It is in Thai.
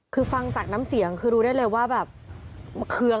คือฟังจากน้ำเสียงคือรู้ได้เลยว่าแบบเคือง